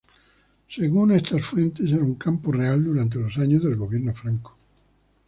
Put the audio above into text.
Según estas fuentes, era un campo real durante los años del gobierno franco.